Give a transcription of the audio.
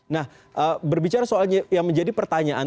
nah berbicara soalnya yang menjadi pertanyaan